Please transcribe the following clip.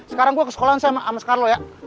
sekarang gue ke sekolah sama carlo ya